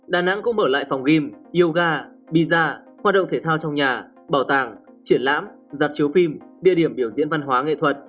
đà nẵng cũng mở lại phòng game yoga piza hoạt động thể thao trong nhà bảo tàng triển lãm dạp chiếu phim địa điểm biểu diễn văn hóa nghệ thuật